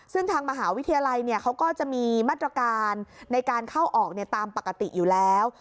ซึ่งทางมหาวิทยาลัยเขาก็จะมีมาตรการในการเข้าออกตามปกติอยู่แล้ว